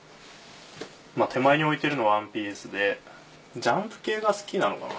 手前に置いてるの『ＯＮＥＰＩＥＣＥ』で『ジャンプ』系が好きなのかな